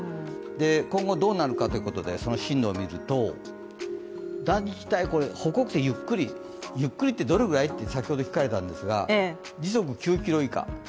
今後どうなるかということで、進路を見ると大体、北北西にゆっくり、ゆっくりってどのくらいと聞かれたんですが時速９キロ以下。